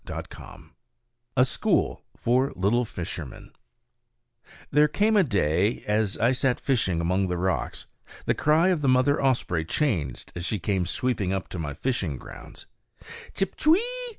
A School for Little Fishermen There came a day when, as I sat fishing among the rocks, the cry of the mother osprey changed as she came sweeping up to my fishing grounds, _Chip, ch'wee!